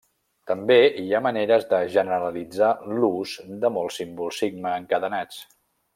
També hi ha maneres de generalitzar l'ús de molts símbols sigma encadenats.